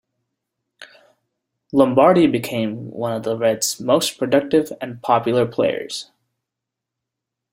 Lombardi became one of the Reds' most productive and popular players.